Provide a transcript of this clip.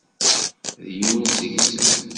D yiwen seg-sen.